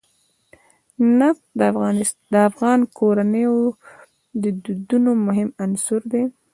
نفت د افغان کورنیو د دودونو مهم عنصر دی.